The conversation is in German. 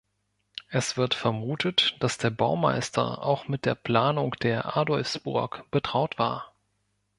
Es wird vermutet, dass der Baumeister auch mit der Planung der Adolfsburg betraut war.